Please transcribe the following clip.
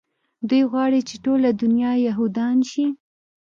دوى غواړي چې ټوله دونيا يهودان شي.